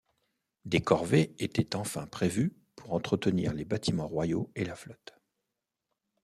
Des corvées étaient enfin prévues pour entretenir les bâtiments royaux et la flotte...